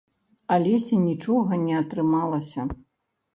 Алеся нічога не атрымалася.